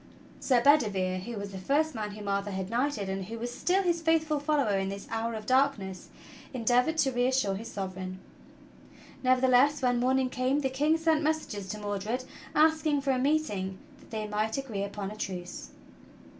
Sir Bedivere who was the first man whom Arthur had knighted, and who was still his faithful follower in this hour of darkness, en deavored to reassure his Sovereign. Nevertheless, when morning came the King sent messengers to Mordred asking for a meeting that they might agree upon a truce.